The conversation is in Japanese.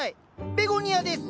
ベゴニアです。